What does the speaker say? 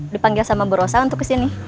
dipanggil sama bu rosa untuk kesini